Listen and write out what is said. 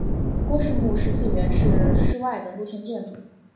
郭氏墓石祠原是室外的露天建筑。